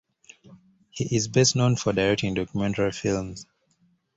He is best known for directing documentary films.